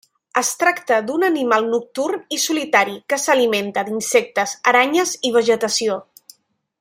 Es tracta d'un animal nocturn i solitari que s'alimenta d'insectes, aranyes i vegetació.